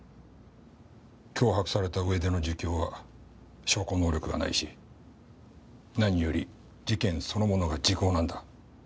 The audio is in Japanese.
脅迫されたうえでの自供は証拠能力がないし何より事件そのものが時効なんだ。